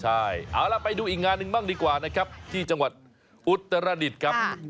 ใช่เอาล่ะไปดูอีกงานหนึ่งบ้างดีกว่านะครับที่จังหวัดอุตรดิษฐ์ครับ